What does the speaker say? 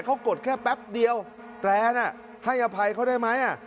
เขากดแค่แป๊บเดียวแกรนให้อภัยเขาได้ไหม